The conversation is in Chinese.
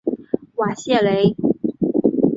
瓦谢雷。